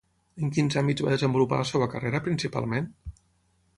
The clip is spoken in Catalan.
En quins àmbits va desenvolupar la seva carrera, principalment?